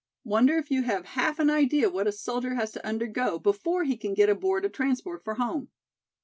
Wonder if you have half an idea what a soldier has to undergo before he can get aboard a transport for home."